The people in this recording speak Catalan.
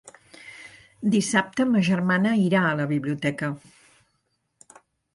Dissabte ma germana irà a la biblioteca.